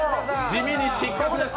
地味に失格です。